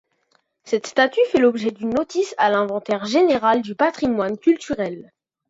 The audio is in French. Cette statue fait l'objet d'une notice à l'inventaire général du patrimoine culturel.